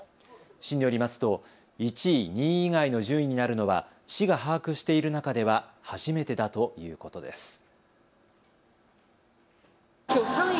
市によりますと１位、２位以外の順位になるのは市が把握している中では初めてだということです。